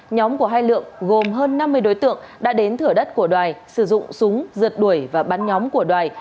nhóm của hai lượng gồm hơn năm mươi đối tượng đã đến thửa đất của đoài sử dụng súng giật đuổi và bắn nhóm của đoài